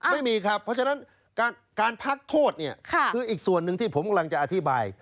ไม่มีครับเพราะฉะนั้นการพักโทษเนี่ยคืออีกส่วนหนึ่งที่ผมกำลังจะอธิบาย